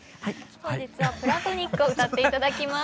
本日は「プラトニック」を歌って頂きます。